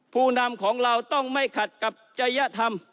ผู้นำของเราต้องไม่ขัดกับจริยธรรม